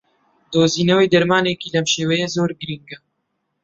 دۆزینەوەی دەرمانێکی لەم شێوەیە زۆر گرنگە